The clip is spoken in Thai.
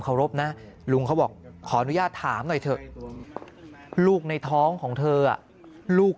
รบนะลุงเขาบอกขออนุญาตถามหน่อยเถอะลูกในท้องของเธอลูก